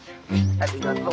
ありがとう。